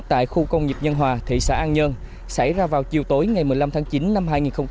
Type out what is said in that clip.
tại khu công nghiệp nhân hòa thị xã an nhơn xảy ra vào chiều tối ngày một mươi năm tháng chín năm hai nghìn hai mươi ba